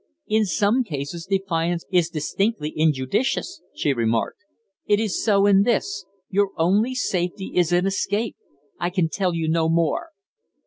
"In some cases defiance is distinctly injudicious," she remarked. "It is so in this. Your only safety is in escape. I can tell you no more."